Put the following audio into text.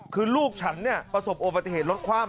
คือลูกฉันเนี่ยประสบโอปติเหตุรถคว่ำ